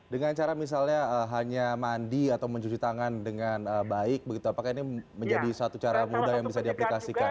dengan cara misalnya hanya mandi atau mencuci tangan dengan baik begitu apakah ini menjadi satu cara mudah yang bisa diaplikasikan